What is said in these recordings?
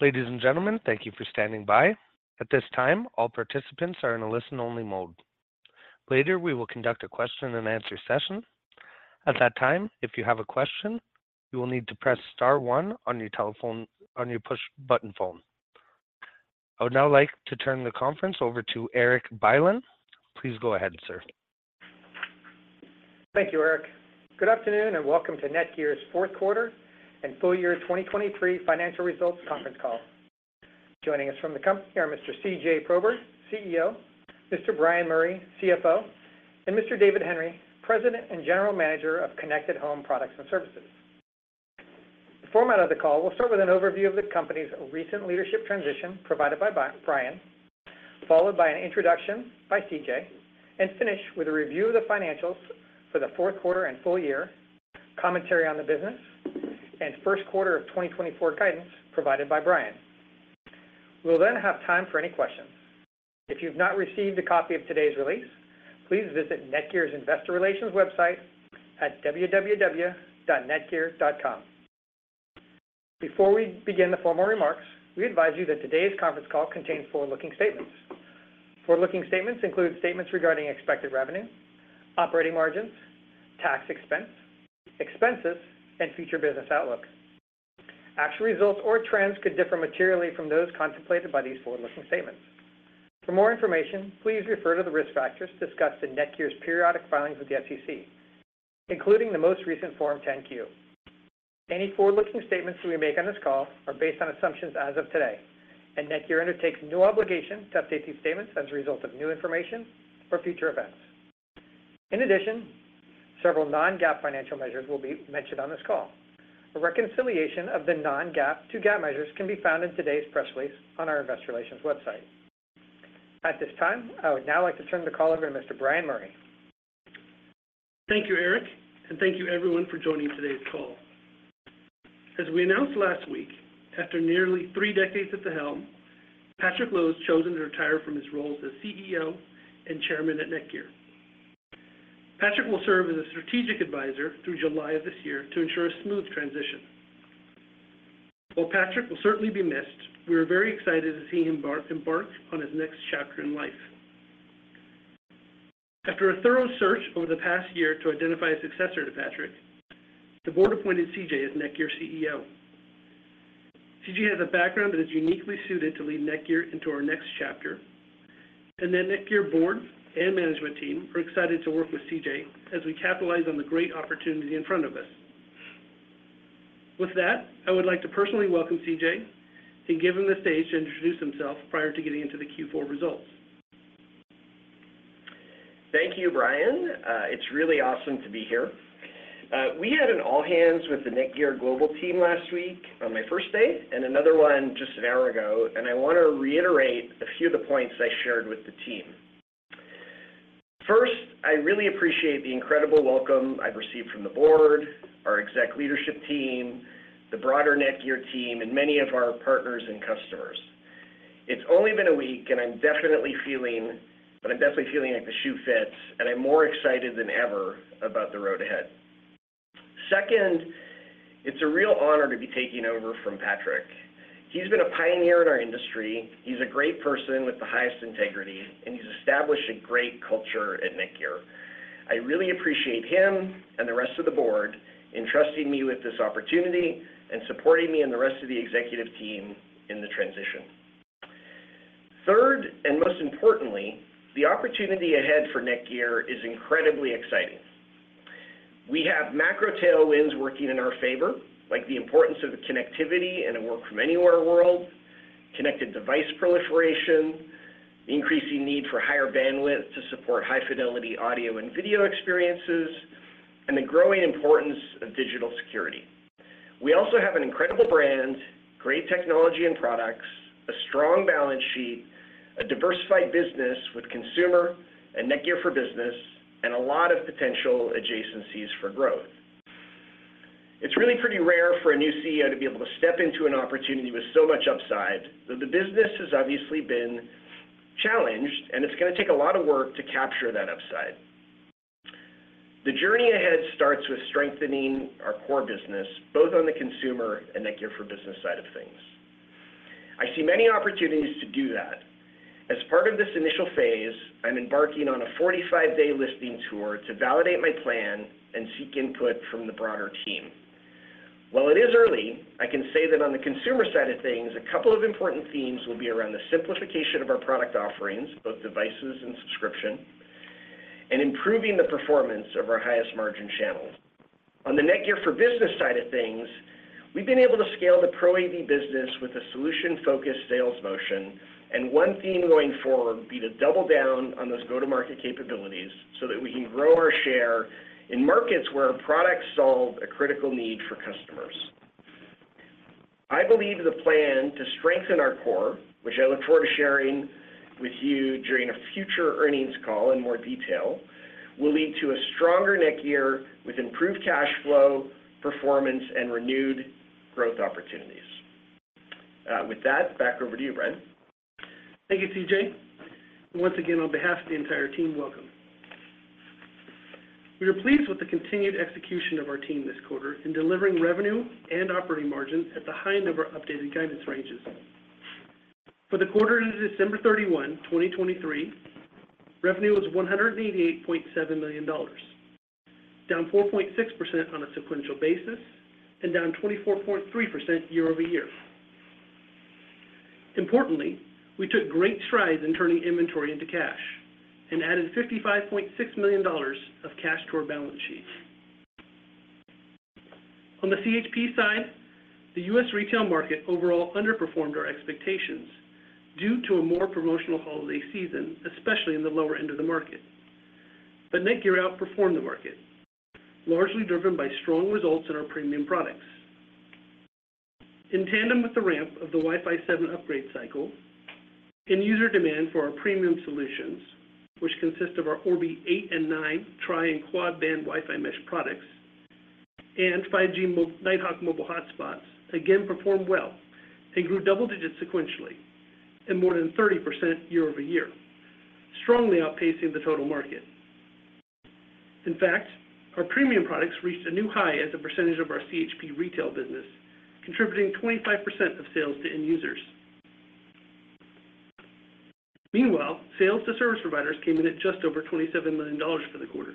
Ladies and gentlemen, thank you for standing by. At this time, all participants are in a listen-only mode. Later, we will conduct a question-and-answer session. At that time, if you have a question, you will need to press star one on your telephone, on your push-button phone. I would now like to turn the conference over to Erik Bylin. Please go ahead, sir. Thank you, Nick. Good afternoon, and welcome to NETGEAR's Fourth Quarter and Full Year 2023 Financial Results Conference Call. Joining us from the company are Mr. C.J. Prober, CEO, Mr. Bryan Murray, CFO, and Mr. David Henry, President and General Manager of Connected Home Products and Services. The format of the call will start with an overview of the company's recent leadership transition provided by Bryan, followed by an introduction by C.J., and finish with a review of the financials for the fourth quarter and full year, commentary on the business, and first quarter of 2024 guidance provided by Bryan. We'll then have time for any questions. If you've not received a copy of today's release, please visit NETGEAR's Investor Relations website at www.netgear.com. Before we begin the formal remarks, we advise you that today's conference call contains forward-looking statements. Forward-looking statements include statements regarding expected revenue, operating margins, tax expense, expenses, and future business outlook. Actual results or trends could differ materially from those contemplated by these forward-looking statements. For more information, please refer to the risk factors discussed in NETGEAR's periodic filings with the SEC, including the most recent Form 10-Q. Any forward-looking statements we make on this call are based on assumptions as of today, and NETGEAR undertakes no obligation to update these statements as a result of new information or future events. In addition, several non-GAAP financial measures will be mentioned on this call. A reconciliation of the non-GAAP to GAAP measures can be found in today's press release on our investor relations website. At this time, I would now like to turn the call over to Mr. Bryan Murray. Thank you, Erik, and thank you everyone for joining today's call. As we announced last week, after nearly three decades at the helm, Patrick Lo has chosen to retire from his role as CEO and Chairman at NETGEAR. Patrick will serve as a strategic advisor through July of this year to ensure a smooth transition. While Patrick will certainly be missed, we are very excited to see him embark on his next chapter in life. After a thorough search over the past year to identify a successor to Patrick, the board appointed C.J. as NETGEAR CEO. C.J. has a background that is uniquely suited to lead NETGEAR into our next chapter, and the NETGEAR board and management team are excited to work with C.J. as we capitalize on the great opportunity in front of us. With that, I would like to personally welcome C.J. and give him the stage to introduce himself prior to getting into the Q4 results. Thank you, Bryan. It's really awesome to be here. We had an all-hands with the NETGEAR global team last week on my first day, and another one just an hour ago, and I want to reiterate a few of the points I shared with the team. First, I really appreciate the incredible welcome I've received from the board, our exec leadership team, the broader NETGEAR team, and many of our partners and customers. It's only been a week, and I'm definitely feeling like the shoe fits, and I'm more excited than ever about the road ahead. Second, it's a real honor to be taking over from Patrick. He's been a pioneer in our industry. He's a great person with the highest integrity, and he's established a great culture at NETGEAR. I really appreciate him and the rest of the board in trusting me with this opportunity and supporting me and the rest of the executive team in the transition. Third, and most importantly, the opportunity ahead for NETGEAR is incredibly exciting. We have macro tailwinds working in our favor, like the importance of connectivity in a work-from-anywhere world, connected device proliferation, the increasing need for higher bandwidth to support high-fidelity audio and video experiences, and the growing importance of digital security. We also have an incredible brand, great technology and products, a strong balance sheet, a diversified business with consumer and NETGEAR for Business, and a lot of potential adjacencies for growth. It's really pretty rare for a new CEO to be able to step into an opportunity with so much upside, though the business has obviously been challenged, and it's going to take a lot of work to capture that upside. The journey ahead starts with strengthening our core business, both on the consumer and NETGEAR for Business side of things. I see many opportunities to do that. As part of this initial phase, I'm embarking on a 45-day listening tour to validate my plan and seek input from the broader team. While it is early, I can say that on the consumer side of things, a couple of important themes will be around the simplification of our product offerings, both devices and subscription, and improving the performance of our highest margin channels. On the NETGEAR for Business side of things, we've been able to scale the Pro AV business with a solution-focused sales motion, and one theme going forward will be to double down on those go-to-market capabilities so that we can grow our share in markets where our products solve a critical need for customers. I believe the plan to strengthen our core, which I look forward to sharing with you during a future earnings call in more detail, will lead to a stronger NETGEAR with improved cash flow, performance, and renewed growth opportunities. With that, back over to you, Bryan. Thank you, C.J. Once again, on behalf of the entire team, welcome. We are pleased with the continued execution of our team this quarter in delivering revenue and operating margins at the high end of our updated guidance ranges. For the quarter ended December 31, 2023, revenue was $188.7 million, down 4.6% on a sequential basis and down 24.3% year-over-year. Importantly, we took great strides in turning inventory into cash and added $55.6 million of cash to our balance sheet. On the CHP side, the U.S. retail market overall underperformed our expectations due to a more promotional holiday season, especially in the lower end of the market. But NETGEAR outperformed the market, largely driven by strong results in our premium products. In tandem with the ramp of the Wi-Fi 7 upgrade cycle and user demand for our premium solutions, which consist of our Orbi 8 and 9 tri- and quad-band Wi-Fi mesh products, and 5G Nighthawk mobile hotspots, again, performed well and grew double digits sequentially and more than 30% year-over-year, strongly outpacing the total market. In fact, our premium products reached a new high as a percentage of our CHP retail business, contributing 25% of sales to end users. Meanwhile, sales to service providers came in at just over $27+ million for the quarter.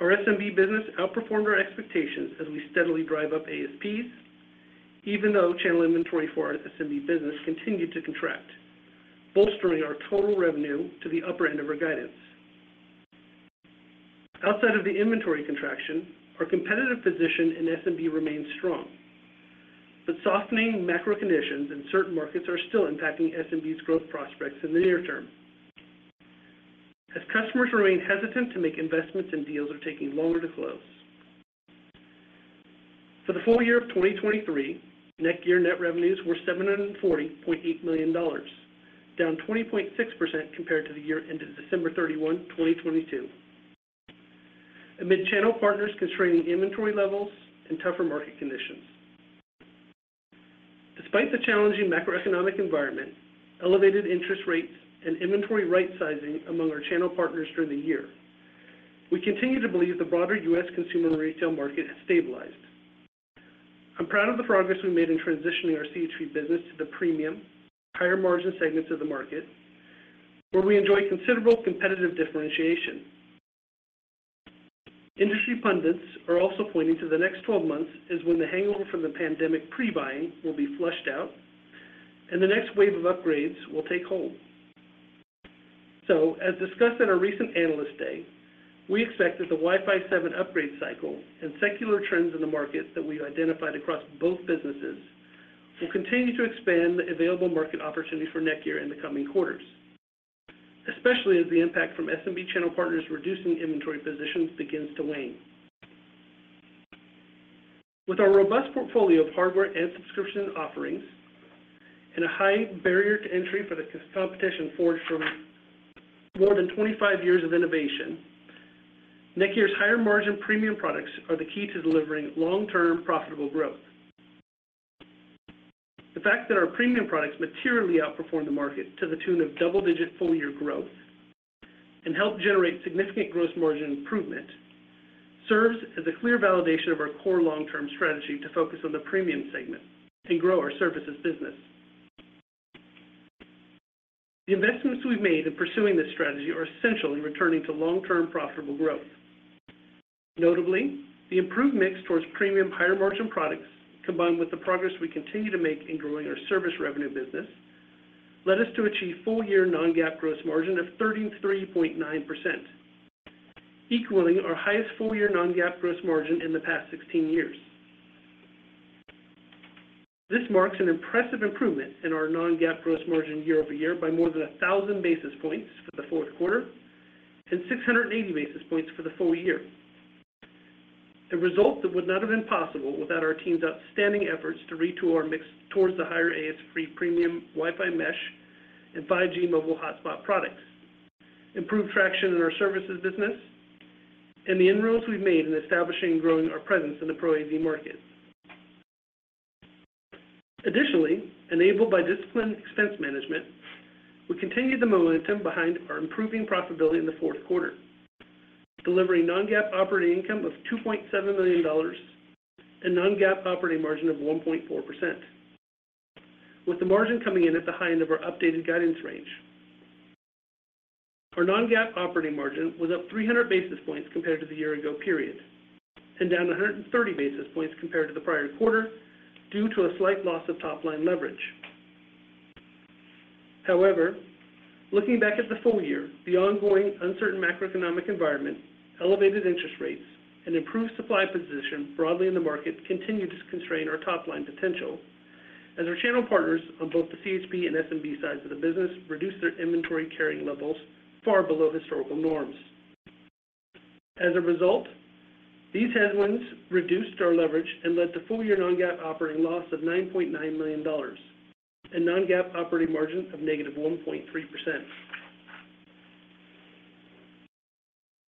Our SMB business outperformed our expectations as we steadily drive up ASPs, even though channel inventory for our SMB business continued to contract, bolstering our total revenue to the upper end of our guidance. Outside of the inventory contraction, our competitive position in SMB remains strong, but softening macro conditions in certain markets are still impacting SMB's growth prospects in the near term, as customers remain hesitant to make investments and deals are taking longer to close. For the full year of 2023, NETGEAR net revenues were $748.8 million, down 20.6% compared to the year ended December 31, 2022, amid channel partners constraining inventory levels and tougher market conditions. Despite the challenging macroeconomic environment, elevated interest rates, and inventory right-sizing among our channel partners during the year, we continue to believe the broader U.S. consumer and retail market has stabilized. I'm proud of the progress we made in transitioning our CHP business to the premium, higher margin segments of the market, where we enjoy considerable competitive differentiation. Industry pundits are also pointing to the next 12 months as when the hangover from the pandemic pre-buying will be flushed out and the next wave of upgrades will take hold. So, as discussed in our recent Analyst Day, we expect that the Wi-Fi 7 upgrade cycle and secular trends in the market that we've identified across both businesses will continue to expand the available market opportunity for NETGEAR in the coming quarters, especially as the impact from SMB channel partners reducing inventory positions begins to wane. With our robust portfolio of hardware and subscription offerings and a high barrier to entry for the competition forged from more than 25 years of innovation, NETGEAR's higher-margin premium products are the key to delivering long-term profitable growth. The fact that our premium products materially outperformed the market to the tune of double-digit full-year growth and helped generate significant gross margin improvement, serves as a clear validation of our core long-term strategy to focus on the premium segment and grow our services business. The investments we've made in pursuing this strategy are essential in returning to long-term profitable growth. Notably, the improved mix towards premium, higher-margin products, combined with the progress we continue to make in growing our service revenue business, led us to achieve full-year non-GAAP gross margin of 33.9%, equaling our highest full-year non-GAAP gross margin in the past 16 years. This marks an impressive improvement in our non-GAAP gross margin year-over-year by more than 1,000 basis points for the fourth quarter and 680 basis points for the full year. A result that would not have been possible without our team's outstanding efforts to retool our mix towards the higher ASP premium Wi-Fi mesh and 5G mobile hotspot products, improved traction in our services business, and the inroads we've made in establishing and growing our presence in the Pro AV market. Additionally, enabled by disciplined expense management, we continued the momentum behind our improving profitability in the fourth quarter, delivering non-GAAP operating income of $2.7 million and non-GAAP operating margin of 1.4%, with the margin coming in at the high end of our updated guidance range. Our non-GAAP operating margin was up 300 basis points compared to the year ago period, and down 130 basis points compared to the prior quarter, due to a slight loss of top-line leverage. However, looking back at the full year, the ongoing uncertain macroeconomic environment, elevated interest rates, and improved supply position broadly in the market, continued to constrain our top-line potential as our channel partners on both the CHP and SMB sides of the business reduced their inventory carrying levels far below historical norms. As a result, these headwinds reduced our leverage and led to full-year non-GAAP operating loss of $9.9 million and non-GAAP operating margin of -1.3%.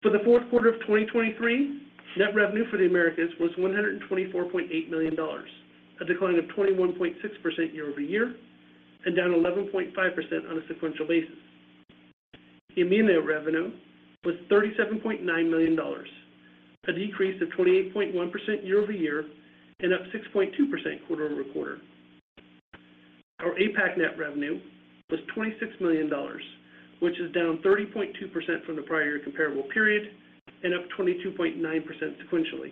For the fourth quarter of 2023, net revenue for the Americas was $124.8 million, a decline of 21.6% year over year.... and down 11.5% on a sequential basis. The EMEA revenue was $37.9 million, a decrease of 28.1% year-over-year, and up 6.2% quarter-over-quarter. Our APAC net revenue was $26 million, which is down 30.2% from the prior year comparable period and up 22.9% sequentially.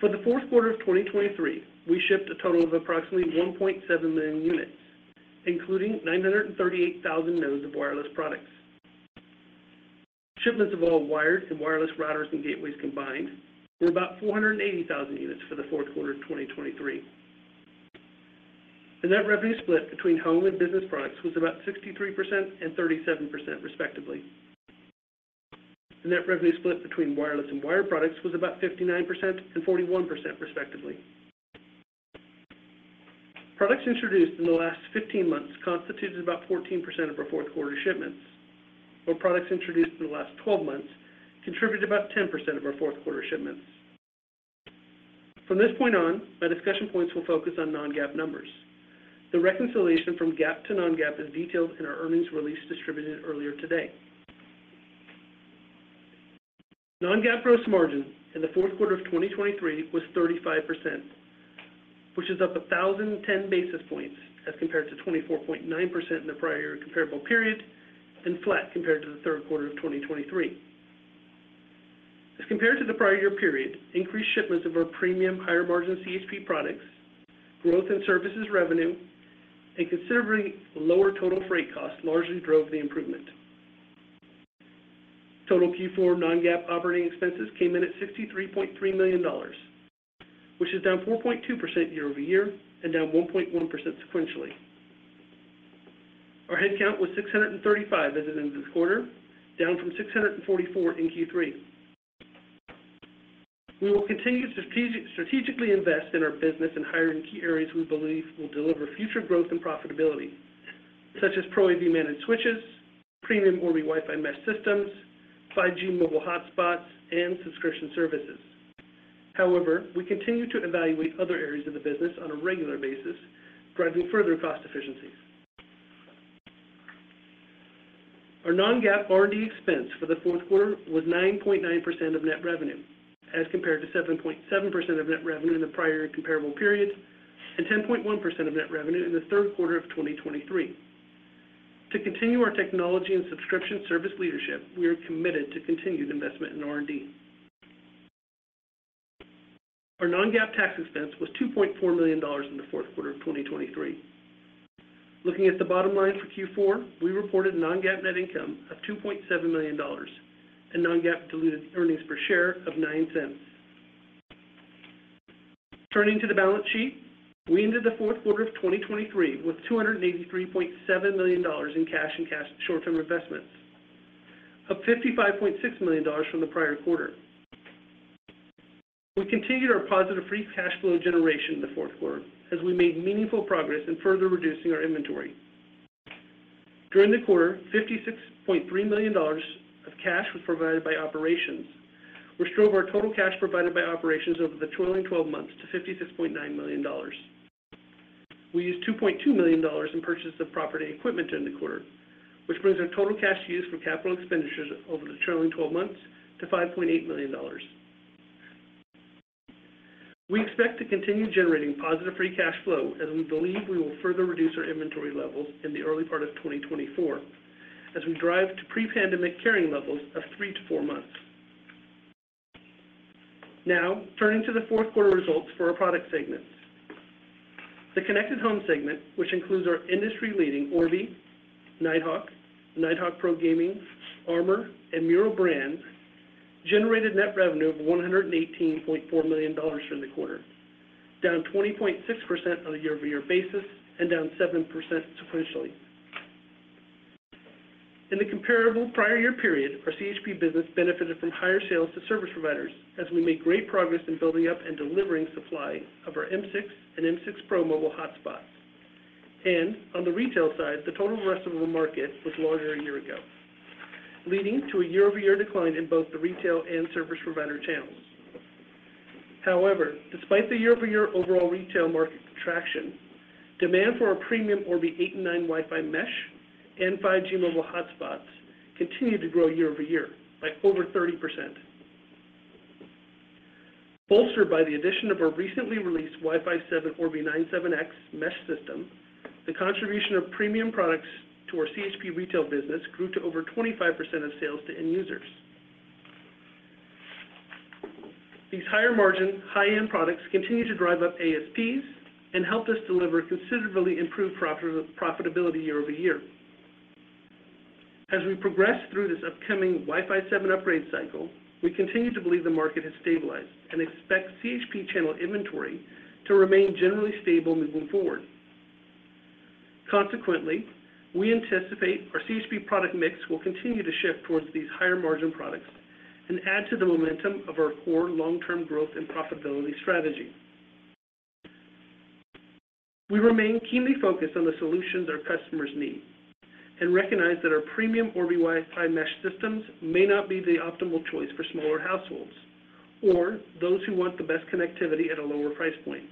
For the fourth quarter of 2023, we shipped a total of approximately 1.7 million units, including 938,000 nodes of wireless products. Shipments of all wired and wireless routers and gateways combined were about 480,000 units for the fourth quarter of 2023. The net revenue split between home and business products was about 63% and 37%, respectively. The net revenue split between wireless and wired products was about 59% and 41%, respectively. Products introduced in the last 15 months constituted about 14% of our fourth quarter shipments, while products introduced in the last 12 months contributed about 10% of our fourth quarter shipments. From this point on, my discussion points will focus on non-GAAP numbers. The reconciliation from GAAP to non-GAAP is detailed in our earnings release distributed earlier today. Non-GAAP gross margin in the fourth quarter of 2023 was 35%, which is up 1,010 basis points as compared to 24.9% in the prior year comparable period, and flat compared to the third quarter of 2023. As compared to the prior year period, increased shipments of our premium higher margin CHP products, growth in services revenue, and considerably lower total freight costs largely drove the improvement. Total Q4 non-GAAP operating expenses came in at $63.3 million, which is down 4.2% year-over-year and down 1.1% sequentially. Our headcount was 635 as of this quarter, down from 644 in Q3. We will continue to strategically invest in our business and hire in key areas we believe will deliver future growth and profitability, such as Pro AV managed switches, premium Orbi Wi-Fi mesh systems, 5G mobile hotspots, and subscription services. However, we continue to evaluate other areas of the business on a regular basis, driving further cost efficiencies. Our non-GAAP R&D expense for the fourth quarter was 9.9% of net revenue, as compared to 7.7% of net revenue in the prior comparable period, and 10.1% of net revenue in the third quarter of 2023. To continue our technology and subscription service leadership, we are committed to continued investment in R&D. Our non-GAAP tax expense was $2.4 million in the fourth quarter of 2023. Looking at the bottom line for Q4, we reported non-GAAP net income of $2.7 million, and non-GAAP diluted earnings per share of $0.09. Turning to the balance sheet, we ended the fourth quarter of 2023 with $283.7 million in cash and cash short-term investments, up $55.6 million from the prior quarter. We continued our positive free cash flow generation in the fourth quarter as we made meaningful progress in further reducing our inventory. During the quarter, $56.3 million of cash was provided by operations, which drove our total cash provided by operations over the trailing twelve months to $56.9 million. We used $2.2 million in purchase of property equipment in the quarter, which brings our total cash used for capital expenditures over the trailing twelve months to $5.8 million. We expect to continue generating positive free cash flow as we believe we will further reduce our inventory levels in the early part of 2024, as we drive to pre-pandemic carrying levels of 3-4 months. Now, turning to the fourth quarter results for our product segments. The Connected Home segment, which includes our industry-leading Orbi, Nighthawk, Nighthawk Pro Gaming, Armor, and Meural brands, generated net revenue of $118.4 million for the quarter, down 20.6% on a year-over-year basis and down 7% sequentially. In the comparable prior year period, our CHP business benefited from higher sales to service providers as we made great progress in building up and delivering supply of our M6 and M6 Pro mobile hotspots. On the retail side, the total addressable market was larger a year ago, leading to a year-over-year decline in both the retail and service provider channels. However, despite the year-over-year overall retail market contraction, demand for our premium Orbi 8 and 9 Wi-Fi mesh and 5G mobile hotspots continued to grow year-over-year by over 30%. Bolstered by the addition of our recently released Wi-Fi 7 Orbi 97X mesh system, the contribution of premium products to our CHP retail business grew to over 25% of sales to end users. These higher margin, high-end products continue to drive up ASPs and help us deliver considerably improved profitability year-over-year. As we progress through this upcoming Wi-Fi 7 upgrade cycle, we continue to believe the market has stabilized and expect CHP channel inventory to remain generally stable moving forward. Consequently, we anticipate our CHP product mix will continue to shift towards these higher margin products and add to the momentum of our core long-term growth and profitability strategy. We remain keenly focused on the solutions our customers need. We recognize that our premium Orbi Wi-Fi mesh systems may not be the optimal choice for smaller households or those who want the best connectivity at a lower price point.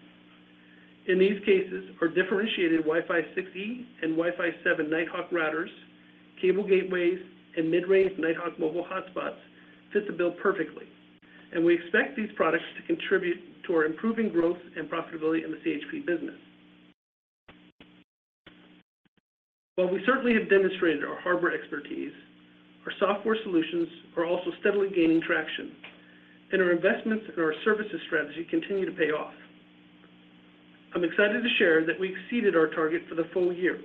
In these cases, our differentiated Wi-Fi 6E and Wi-Fi 7 Nighthawk routers, cable gateways, and mid-range Nighthawk mobile hotspots fit the bill perfectly, and we expect these products to contribute to our improving growth and profitability in the CHP business. While we certainly have demonstrated our hardware expertise, our software solutions are also steadily gaining traction, and our investments in our services strategy continue to pay off. I'm excited to share that we exceeded our target for the full year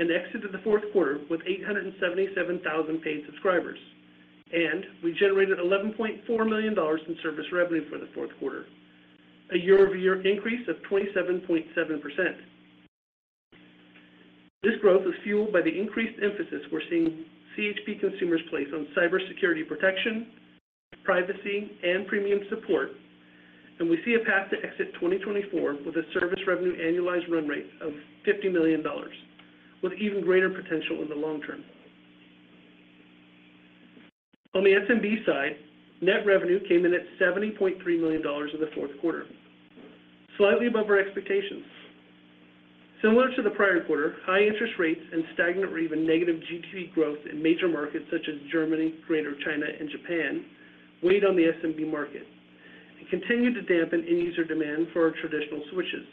and exited the fourth quarter with 877,000 paid subscribers, and we generated $11.4 million in service revenue for the fourth quarter, a year-over-year increase of 27.7%. This growth is fueled by the increased emphasis we're seeing CHP consumers place on cybersecurity protection, privacy, and premium support, and we see a path to exit 2024 with a service revenue annualized run rate of $50 million, with even greater potential in the long term. On the SMB side, net revenue came in at $70.3 million in the fourth quarter, slightly above our expectations. Similar to the prior quarter, high interest rates and stagnant or even negative GDP growth in major markets such as Germany, Greater China, and Japan, weighed on the SMB market and continued to dampen end user demand for our traditional switches.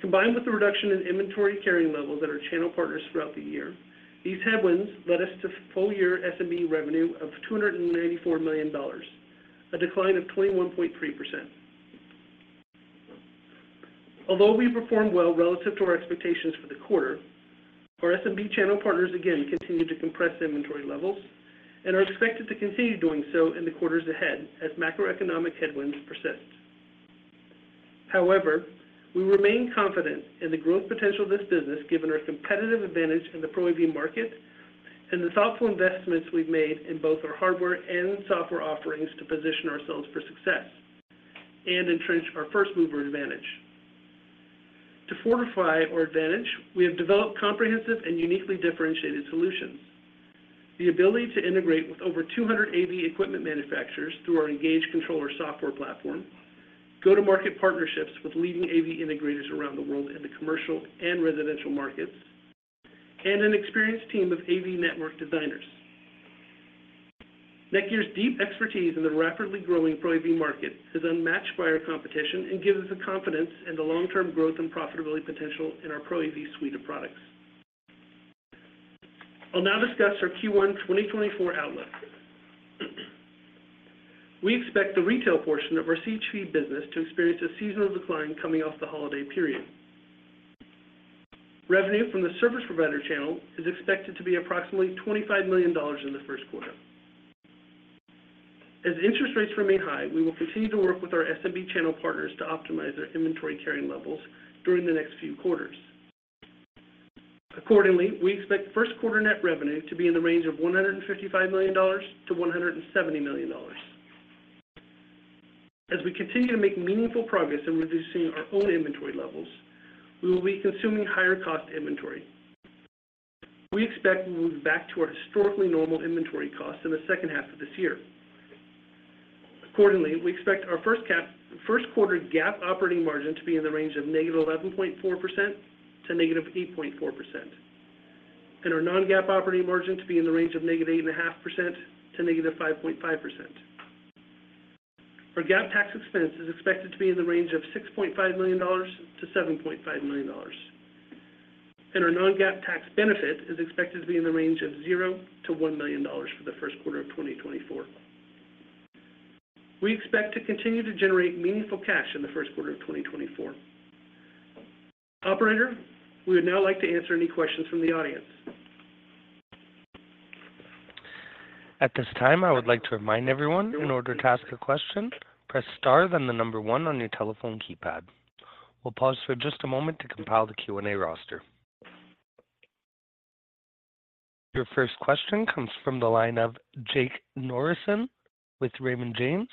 Combined with the reduction in inventory carrying levels at our channel partners throughout the year, these headwinds led us to full-year SMB revenue of $294 million, a decline of 21.3%. Although we performed well relative to our expectations for the quarter, our SMB channel partners again continued to compress inventory levels and are expected to continue doing so in the quarters ahead as macroeconomic headwinds persist. However, we remain confident in the growth potential of this business, given our competitive advantage in the Pro AV market and the thoughtful investments we've made in both our hardware and software offerings to position ourselves for success and entrench our first-mover advantage. To fortify our advantage, we have developed comprehensive and uniquely differentiated solutions. The ability to integrate with over 200 AV equipment manufacturers through our Engage Controller software platform, go-to-market partnerships with leading AV integrators around the world in the commercial and residential markets, and an experienced team of AV network designers. NETGEAR's deep expertise in the rapidly growing Pro AV market is unmatched by our competition and gives us the confidence in the long-term growth and profitability potential in our Pro AV suite of products. I'll now discuss our Q1 2024 outlook. We expect the retail portion of our CHP business to experience a seasonal decline coming off the holiday period. Revenue from the service provider channel is expected to be approximately $25 million in the first quarter. As interest rates remain high, we will continue to work with our SMB channel partners to optimize their inventory carrying levels during the next few quarters. Accordingly, we expect first quarter net revenue to be in the range of $155 million-$170 million. As we continue to make meaningful progress in reducing our own inventory levels, we will be consuming higher cost inventory. We expect we will be back to our historically normal inventory costs in the second half of this year. Accordingly, we expect our first quarter GAAP operating margin to be in the range of -11.4% to -8.4%, and our non-GAAP operating margin to be in the range of -8.5% to -5.5%. Our GAAP tax expense is expected to be in the range of $6.5 million-$7.5 million, and our non-GAAP tax benefit is expected to be in the range of $0-$1 million for the first quarter of 2024. We expect to continue to generate meaningful cash in the first quarter of 2024. Operator, we would now like to answer any questions from the audience. At this time, I would like to remind everyone, in order to ask a question, press star, then the number one on your telephone keypad. We'll pause for just a moment to compile the Q&A roster. Your first question comes from the line of Jake Morrison with Raymond James.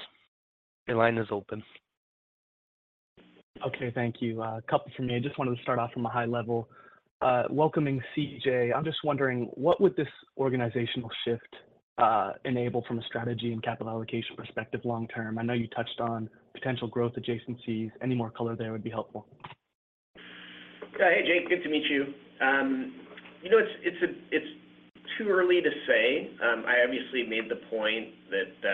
Your line is open. Okay, thank you. A couple from me. I just wanted to start off from a high level, welcoming C.J. I'm just wondering, what would this organizational shift enable from a strategy and capital allocation perspective long-term? I know you touched on potential growth adjacencies. Any more color there would be helpful. Yeah. Hey, Jake. Good to meet you. You know, it's too early to say. I obviously made the point that,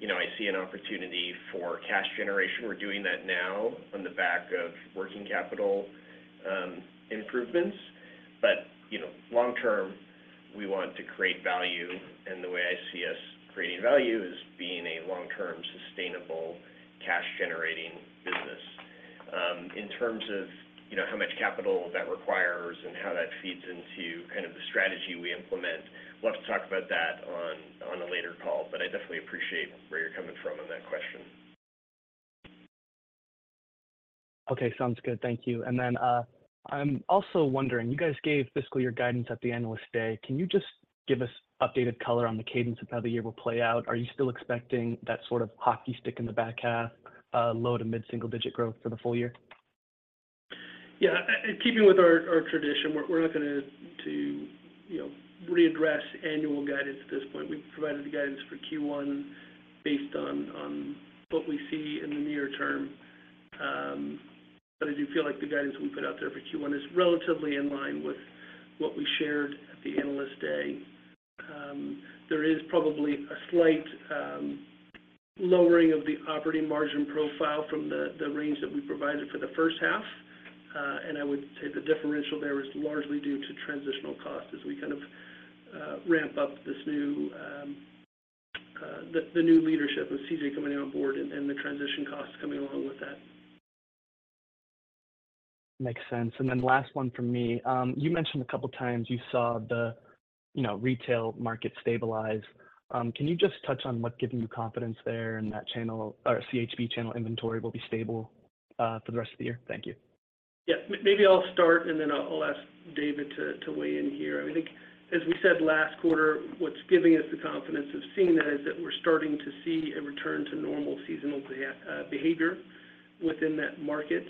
you know, I see an opportunity for cash generation. We're doing that now on the back of working capital improvements. But, you know, long term, we want to create value, and the way I see us creating value is being a long-term, sustainable, cash-generating business. In terms of, you know, how much capital that requires and how that feeds into kind of the strategy we implement, we'll have to talk about that on a later call, but I definitely appreciate where you're coming from on that question. Okay, sounds good. Thank you. And then, I'm also wondering, you guys gave fiscal year guidance at the Analyst Day. Can you give us updated color on the cadence of how the year will play out. Are you still expecting that sort of hockey stick in the back half, low to mid-single-digit growth for the full year? Yeah, keeping with our tradition, we're not going to, you know, readdress annual guidance at this point. We've provided the guidance for Q1 based on what we see in the near term. But I do feel like the guidance we put out there for Q1 is relatively in line with what we shared at the Analyst Day. There is probably a slight lowering of the operating margin profile from the range that we provided for the first half. And I would say the differential there is largely due to transitional costs as we kind of ramp up this new leadership with C.J. coming on board and the transition costs coming along with that. Makes sense. And then last one from me. You mentioned a couple of times you saw the, you know, retail market stabilize. Can you just touch on what's giving you confidence there, and that channel or CHP channel inventory will be stable for the rest of the year? Thank you. Yeah. Maybe I'll start, and then I'll ask David to weigh in here. I think, as we said last quarter, what's giving us the confidence of seeing that is that we're starting to see a return to normal seasonal behavior within that market.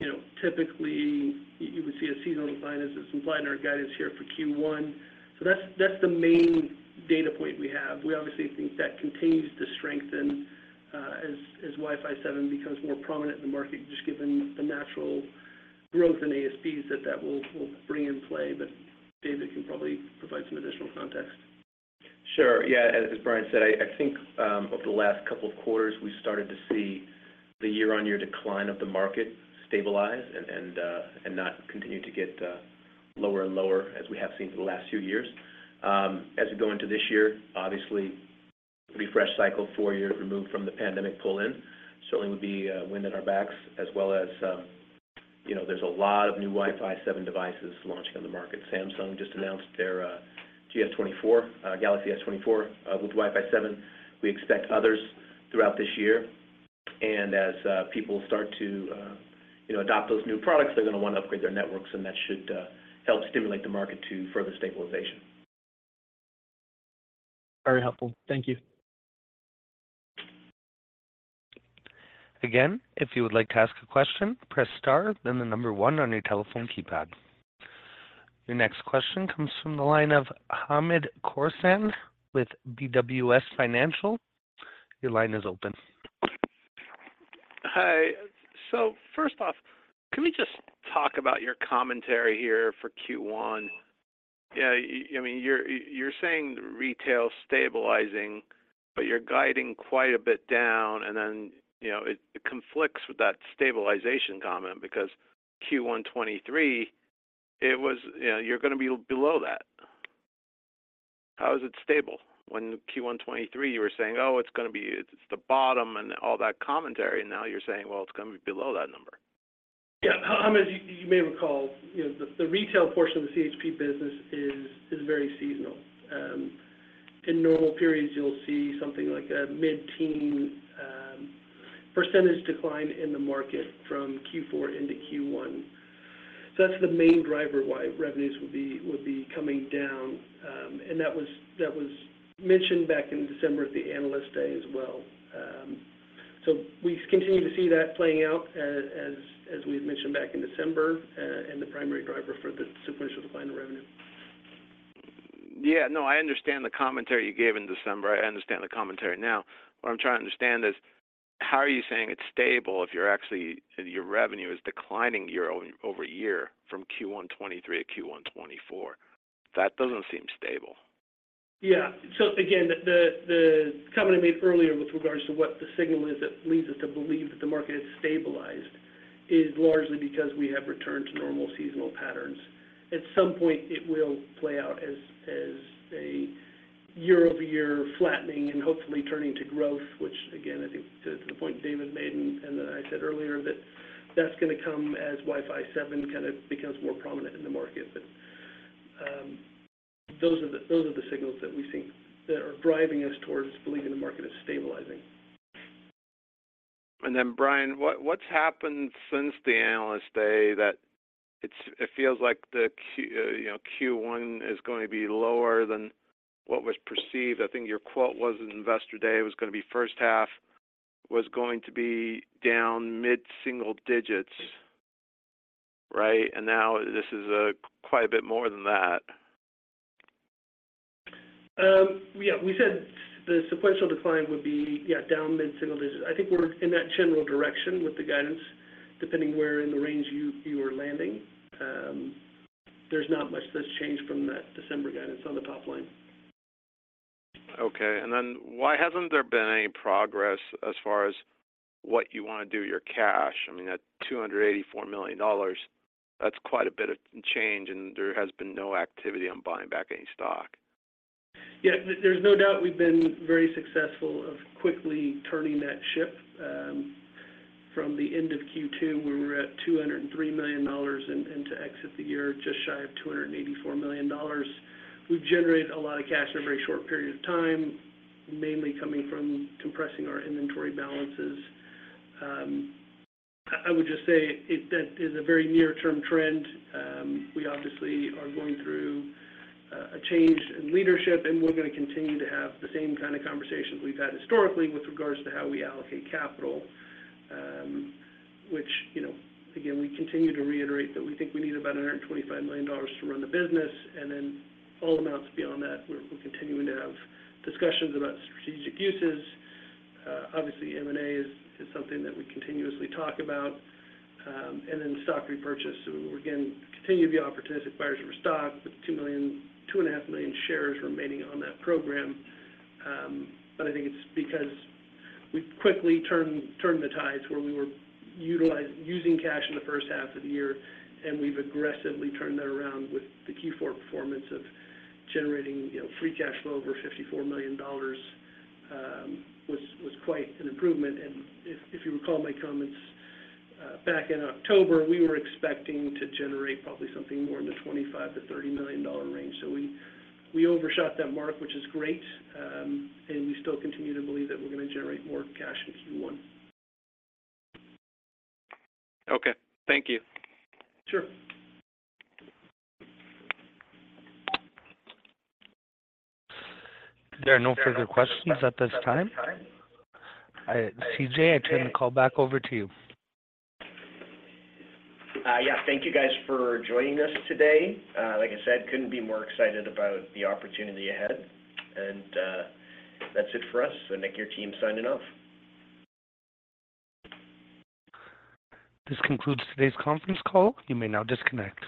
You know, typically, you would see a seasonal sign as it's implied in our guidance here for Q1. So that's the main data point we have. We obviously think that continues to strengthen, as Wi-Fi 7 becomes more prominent in the market, just given the natural growth in ASPs that will bring in play, but David can probably provide some additional context. Sure. Yeah, as Bryan said, I think over the last couple of quarters, we started to see the year-on-year decline of the market stabilize and not continue to get lower and lower as we have seen for the last few years. As we go into this year, obviously, refresh cycle, four years removed from the pandemic pull-in, certainly would be wind at our backs as well as, you know, there's a lot of new Wi-Fi 7 devices launching on the market. Samsung just announced their Galaxy S24 with Wi-Fi 7. We expect others throughout this year, and as people start to, you know, adopt those new products, they're gonna want to upgrade their networks, and that should help stimulate the market to further stabilization. Very helpful. Thank you. Again, if you would like to ask a question, press star, then the number one on your telephone keypad. Your next question comes from the line of Hamed Khorsand with BWS Financial. Your line is open. Hi. So first off, can we just talk about your commentary here for Q1? Yeah, I mean, you're saying retail stabilizing, but you're guiding quite a bit down, and then, you know, it conflicts with that stabilization comment because Q1 2023, it was—you know, you're gonna be below that. How is it stable when Q1 2023, you were saying, "Oh, it's gonna be, it's the bottom," and all that commentary, and now you're saying, "Well, it's gonna be below that number? Yeah. Hamed, you may recall, you know, the retail portion of the CHP business is very seasonal. In normal periods, you'll see something like a mid-teen percentage decline in the market from Q4 into Q1. So that's the main driver why revenues would be coming down. And that was mentioned back in December at the Analyst Day as well. So we continue to see that playing out as we've mentioned back in December, and the primary driver for the sequential decline in revenue. Yeah. No, I understand the commentary you gave in December. I understand the commentary now. What I'm trying to understand is, how are you saying it's stable if you're actually, your revenue is declining year-over-year from Q1 2023 to Q1 2024? That doesn't seem stable. Yeah. So again, the comment I made earlier with regards to what the signal is that leads us to believe that the market has stabilized, is largely because we have returned to normal seasonal patterns. At some point, it will play out as a year-over-year flattening and hopefully turning to growth, which again, I think to the point David made and I said earlier, that that's gonna come as Wi-Fi 7 kind of becomes more prominent in the market. But, those are the signals that we think that are driving us towards believing the market is stabilizing. And then, Bryan, what's happened since the Analyst Day that it feels like the Q, you know, Q1 is going to be lower than what was perceived. I think your quote was at Investor Day, it was gonna be first half, was going to be down mid-single digits, right? And now, this is quite a bit more than that. Yeah. We said the sequential decline would be, yeah, down mid-single digits. I think we're in that general direction with the guidance, depending where in the range you are landing. There's not much that's changed from that December guidance on the top line. Okay. And then, why hasn't there been any progress as far as what you want to do with your cash? I mean, that $284 million, that's quite a bit of change, and there has been no activity on buying back any stock. Yeah. There's no doubt we've been very successful of quickly turning that ship from the end of Q2, where we were at $203 million, and to exit the year just shy of $284 million. We've generated a lot of cash in a very short period of time, mainly coming from compressing our inventory balances. I would just say it, that is a very near-term trend. We obviously are going through a change in leadership, and we're gonna continue to have the same kind of conversations we've had historically with regards to how we allocate capital. Which, you know, again, we continue to reiterate that we think we need about $125 million to run the business, and then all amounts beyond that, we're continuing to have discussions about strategic uses. Obviously, M&A is something that we continuously talk about, and then stock repurchase. So again, continue to be opportunistic buyers for stock, with 2.5 million shares remaining on that program. But I think it's because we've quickly turned the tides where we were using cash in the first half of the year, and we've aggressively turned that around with the Q4 performance of generating, you know, free cash flow over $54 million, was quite an improvement. And if you recall my comments back in October, we were expecting to generate probably something more in the $25-$30 million range. So we overshot that mark, which is great, and we still continue to believe that we're gonna generate more cash in Q1. Okay. Thank you. Sure. There are no further questions at this time. C.J., I turn the call back over to you. Yeah. Thank you guys for joining us today. Like I said, couldn't be more excited about the opportunity ahead. And, that's it for us. So Nick, your team signing off. This concludes today's conference call. You may now disconnect.